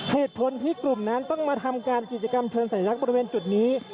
เหตุผลที่กลุ่มนั้นต้องมาทำการกิจกรรมเชิญสัญลักษณ์บริเวณจุดนี้